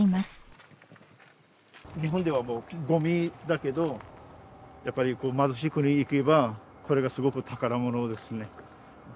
日本ではもうゴミだけどやっぱり貧しい国行けばこれがすごく宝物ですね。